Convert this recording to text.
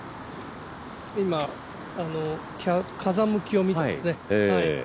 今、風向きを見ていますね。